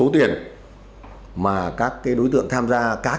tám mươi tỷ đồng